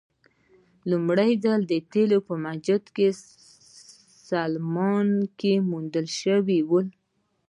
لومړی ځل تیل په مسجد سلیمان کې وموندل شول.